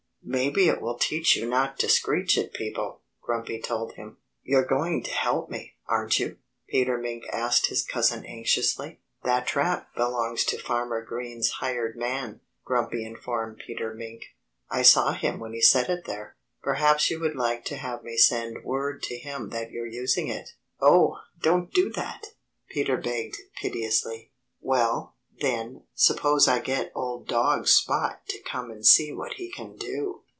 "Maybe it will teach you not to screech at people," Grumpy told him. "You're going to help me, aren't you?" Peter Mink asked his cousin anxiously. "That trap belongs to Farmer Green's hired man," Grumpy informed Peter Mink. "I saw him when he set it there. Perhaps you would like to have me send word to him that you're using it." "Oh! Don't do that!" Peter begged piteously. "Well, then suppose I get old dog Spot to come and see what he can do!